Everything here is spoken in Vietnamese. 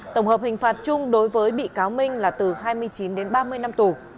tổng hợp hình phạt chung đối với bị cáo minh là từ hai mươi chín đến ba mươi năm tù